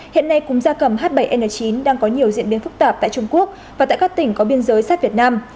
hiện nay cúm gia cầm h bảy n chín đang có nhiều diễn biến phức tạp tại trung quốc và tại các tỉnh có biên giới sát việt nam